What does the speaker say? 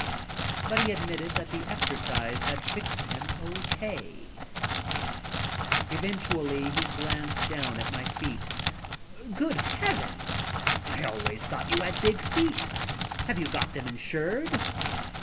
But he admitted that the exercise had fixed him O. K. Eventually he glanced down at my feet. "Good heavens! I always thought you had big feet. Have you got them insured?"